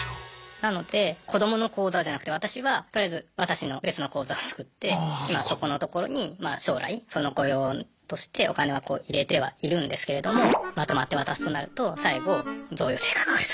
なので子どもの口座じゃなくて私はとりあえず私の別の口座を作って今そこのところにまあ将来その子用としてお金は入れてはいるんですけれどもまとまって渡すとなると最後贈与税かかると。